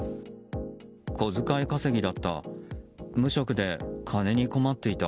小遣い稼ぎだった。